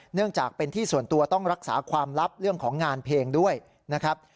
เนื่องจากเป็นที่ส่วนตัวต้องรักษาความลับเรื่องของงานเพลงด้วยนะครับ